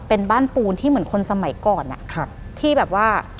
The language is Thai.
เป็นบ้านปูนที่เหมือนคนสมัยก่อนที่แบบว่า